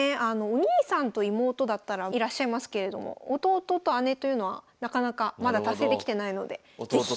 お兄さんと妹だったらいらっしゃいますけれども弟と姉というのはなかなかまだ達成できてないので是非。